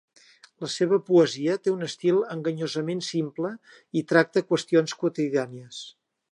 La seva poesia té un estil enganyosament simple i tracta qüestions quotidianes.